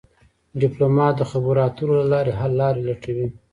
ډيپلومات د خبرو اترو له لارې حل لارې لټوي.